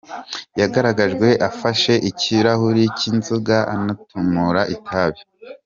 Yagaragajwe afashe ikirahuri cy’inzoga anatumura itabi.